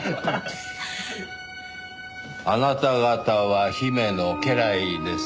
あなた方は姫の家来ですね。